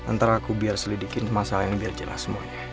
antara aku biar selidikin masalah yang biar jelas semuanya